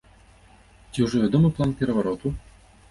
Ці ўжо вядомы план перавароту?